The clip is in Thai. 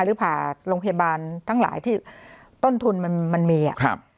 หรือผ่าโรงพยาบาลทั้งหลายที่ต้นทุนมันมันมีอ่ะครับ